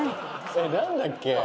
それなんだっけ？